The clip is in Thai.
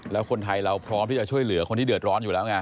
แล้วคนไทยเราพร้อมที่จะช่วยเหลือคนที่เดือดร้อนอยู่แล้วไง